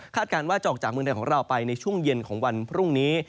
การว่าจะออกจากเมืองไทยของเราไปในช่วงเย็นของวันพรุ่งนี้